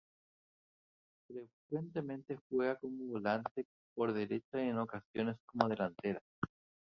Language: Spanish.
Frecuentemente juega como volante por derecha y en ocasiones como delantera.